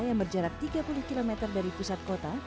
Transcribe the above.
yang berjarak tiga puluh km dari pusat kota